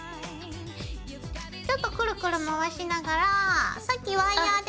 ちょっとくるくる回しながらさっきワイヤーで。